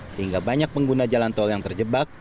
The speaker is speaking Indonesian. sehingga banyak pengguna jalan tol yang terjebak